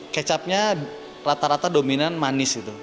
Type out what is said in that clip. kecapnya rata rata dominan manis gitu